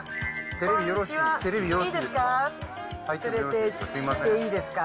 テレビよろしいですか。